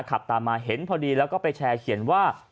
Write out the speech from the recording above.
ขับตามมาเห็นพอดีแล้วก็ไปแชร์เขียนว่า